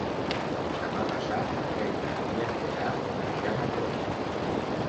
Demà passat na Greta i en Gerard aniran a Tormos.